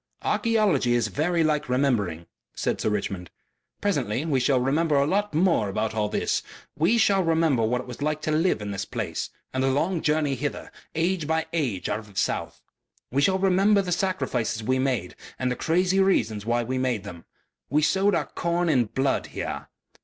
"Archaeology is very like remembering," said Sir Richmond. "Presently we shall remember a lot more about all this. We shall remember what it was like to live in this place, and the long journey hither, age by age out of the south. We shall remember the sacrifices we made and the crazy reasons why we made them. We sowed our corn in blood here.